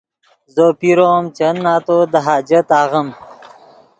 زو پیرو ام چند نتو دے حاجت آغیم